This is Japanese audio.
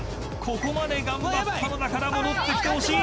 ［ここまで頑張ったのだから戻ってきてほしい！］